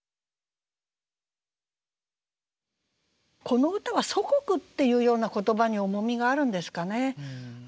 この歌は「祖国」っていうような言葉に重みがあるんですかね。